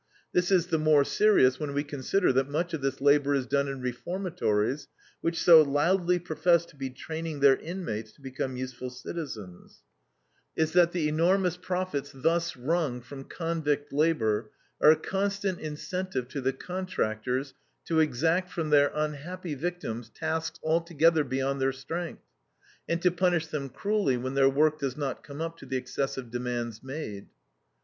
This is the more serious when we consider that much of this labor is done in reformatories, which so loudly profess to be training their inmates to become useful citizens. The third, and most important, consideration is that the enormous profits thus wrung from convict labor are a constant incentive to the contractors to exact from their unhappy victims tasks altogether beyond their strength, and to punish them cruelly when their work does not come up to the excessive demands made.